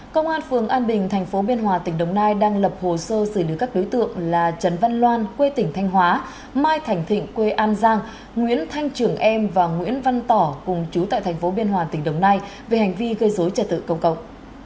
công an phường an bình thành phố biên hòa tỉnh đồng nai đang lập hồ sơ xử lý các đối tượng là trần văn loan quê tỉnh thanh hóa mai thành thịnh quê an giang nguyễn thanh trưởng em và nguyễn văn tỏ cùng chú tại thành phố biên hòa tỉnh đồng nai về hành vi gây dối trật tự công cộng